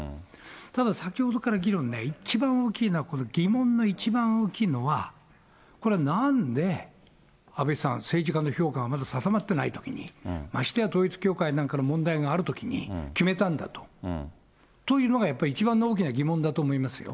ただ先ほどから議論ね、一番大きいのは、この疑問が一番大きいのは、これはなんで、安倍さん、政治家の評価がまだ定まっていないときに、ましてや統一教会なんかの問題があるときに決めたんだと。というのがやっぱり一番の大きな疑問だと思いますよ。